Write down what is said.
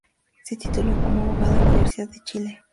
Se tituló como abogado en la Universidad de Chile.